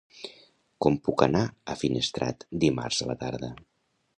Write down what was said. Com puc anar a Finestrat dimarts a la tarda?